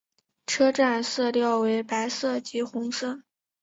车站色调为白色及红色。